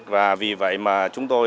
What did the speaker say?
và vì vậy mà chúng tôi